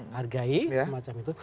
hargai semacam itu